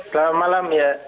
selamat malam ya